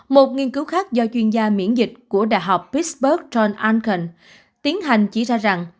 một nghiên cứu khác do chuyên gia miễn dịch của đại học pittsburgh john arnken tiến hành chỉ ra rằng